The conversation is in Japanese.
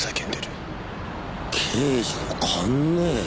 刑事の勘ねぇ。